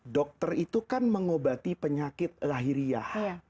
dokter itu kan mengobati penyakit lahiriah